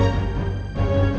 aku mau kemana